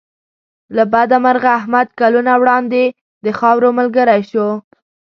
له بده مرغه احمد کلونه وړاندې د خاورو ملګری شو.